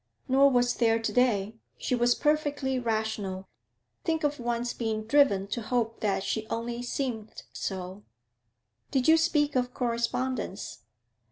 'Nor was there to day. She was perfectly rational. Think of one's being driven to hope that she only seemed so!' 'Did you speak of correspondence?'